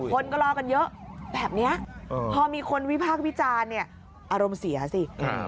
คนก็รอกันเยอะแบบนี้พอมีคนวิพากษ์วิจารณ์เนี่ยอารมณ์เสียสิ